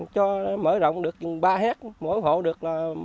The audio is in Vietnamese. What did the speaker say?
cho mở rộng được ba hét mỗi hộ được ba mươi